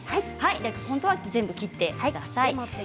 本当は全部切ってください。